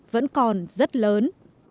vẫn còn rất lớn